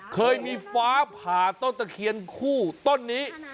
เคยมีฟ้าผ่าต้นตะเคียนคู่ต้นนี้